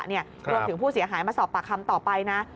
รวมถึงผู้เสียหายมาสอบปากคำต่อไปนะ